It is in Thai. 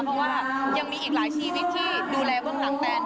เพราะว่ายังมีอีกหลายชีวิตที่ดูแลเบื้องหลังแฟน